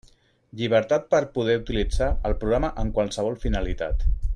Llibertat per poder utilitzar el programa amb qualsevol finalitat.